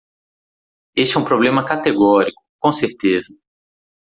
Este é um problema categórico, com certeza.